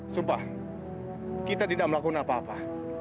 sumpah kita tidak melakukan apa apa